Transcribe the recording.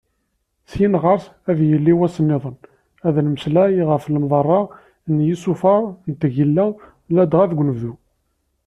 Syin ɣer-s, ad yili wass-nniḍen, ad nemmeslay ɣef lemḍarrat n yisufar n tgella ladɣa deg unebdu.